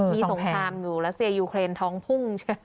มีส่งพรรมอยู่และเซยุเครนทองพุ่ง